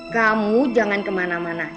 kamu jangan kemana mana